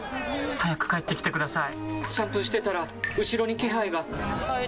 早く帰ってきてください！